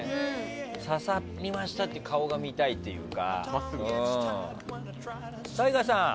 刺さりましたって顔が見たいっていうか。